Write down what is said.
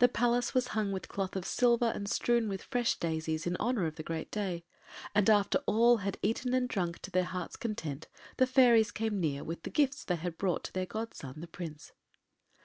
The Palace was hung with cloth of silver and strewn with fresh daisies, in honour of the great day, and after all had eaten and drunk to their hearts’ content the fairies came near with the gifts they had brought to their godson the Prince.